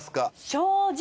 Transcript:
正直。